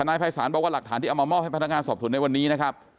นายภัยศาลบอกว่าหลักฐานที่เอามามอบให้พนักงานสอบสวนในวันนี้นะครับ